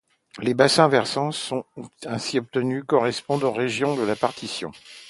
Les bassins versants ainsi obtenus correspondent aux régions de la partition.